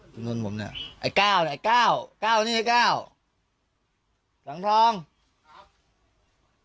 ถนนผมเนี้ยไอ้เก้าเนี่ยไอ้เก้าเก้านี่ไอ้เก้าสังทองครับ